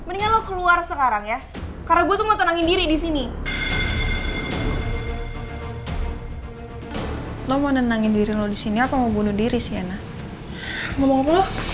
nggak ada apa apa kok